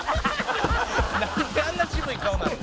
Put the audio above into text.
「なんであんな渋い顔なるの？」